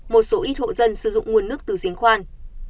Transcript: một số ít hộ dân sử dụng nguồn nước từ giếng khoan